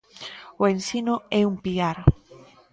O ensino é un piar.